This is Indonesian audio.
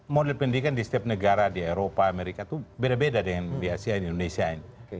model pendidikan di setiap negara di eropa amerika itu beda beda dengan di asean indonesia ini